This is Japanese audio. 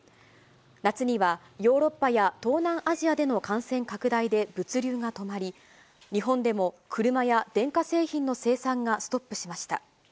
夏には、ヨーロッパや東南アジアでの感染拡大で物流が止まり、日本でも車や電化製品の生産がストップしました。